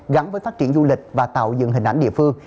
gắn với phát triển du lịch và tạo dựng hình ảnh địa phương